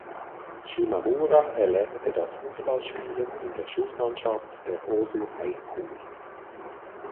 Shimamura erlernte das Fußballspielen in der Schulmannschaft der Ozu High School.